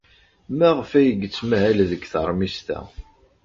Maɣef ay yettmahal deg teṛmist-a?